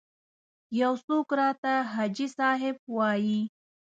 یو څوک راته حاجي صاحب وایي.